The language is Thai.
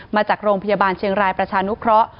มาจากโรงพยาบาลเชียงรายประชานุเคราะห์